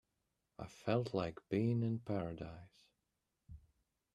I felt like being in paradise.